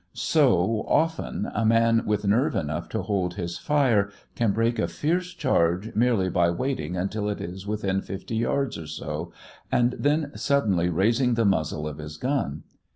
So often a man with nerve enough to hold his fire, can break a fierce charge merely by waiting until it is within fifty yards or so, and then suddenly raising the muzzle of his gun.